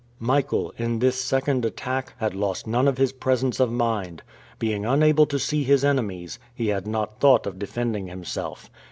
Michael, in this second attack, had lost none of his presence of mind. Being unable to see his enemies, he had not thought of defending himself.